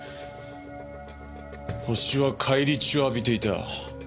ホシは返り血を浴びていた。